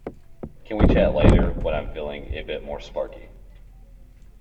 Can we chat later when I'm feeling a bit more sparky?